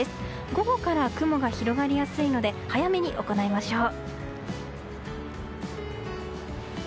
午後から雲が広がりやすいので早めに行いましょう。